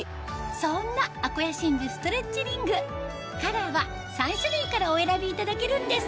そんなあこや真珠ストレッチリングカラーは３種類からお選びいただけるんです